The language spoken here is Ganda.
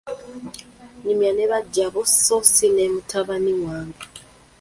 Nyumya ne baggya bo sso si ne mutabani wange.